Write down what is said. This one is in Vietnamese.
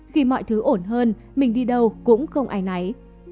khi mọi thứ ổn hơn mình đi đâu cũng không ai nấy